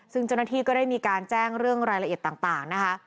ซึ่งเจ้าหน้าที่ก็ได้มีการแจ้งเรื่องรายละเอียดต่างนะคะ